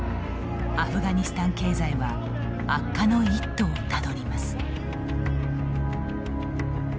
アフガニスタン経済は悪化の一途をたどります。